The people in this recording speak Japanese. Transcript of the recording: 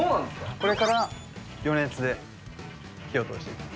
これから余熱で火を通していきます。